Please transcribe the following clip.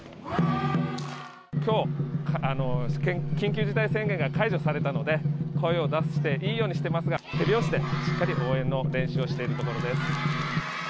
きょう、緊急事態宣言が解除されたので、声を出していいようにしてますが、手拍子でしっかり応援の練習をしているところです。